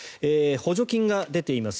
補助金が出ています。